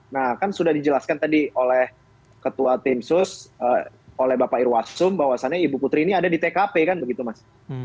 nah kan sudah dijelaskan tadi oleh ketua tim sus oleh bapak irwasum bahwasannya ibu putri ini ada di tkp kan begitu mas